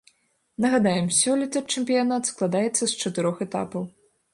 Нагадаем, сёлета чэмпіянат складаецца з чатырох этапаў.